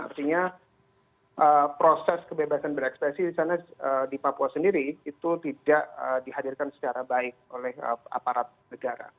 artinya proses kebebasan berekspresi di sana di papua sendiri itu tidak dihadirkan secara baik oleh aparat negara